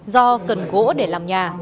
do cần gỗ để làm nhà